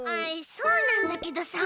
そうなんだけどさ。